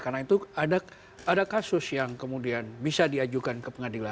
karena itu ada kasus yang kemudian bisa diajukan ke pengadilan